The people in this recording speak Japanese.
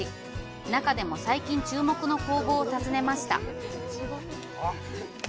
中でも最近注目の工房を訪ねました。